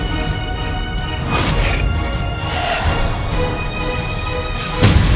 dewi ke kamar dulu ya kak